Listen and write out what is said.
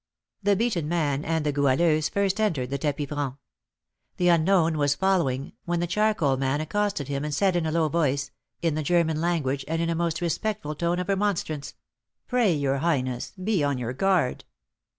The beaten man and the Goualeuse first entered the tapis franc; the unknown was following, when the charcoal man accosted him, and said, in a low voice, in the German language, and in a most respectful tone of remonstrance, "Pray, your highness, be on your guard."